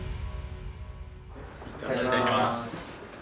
いただきます。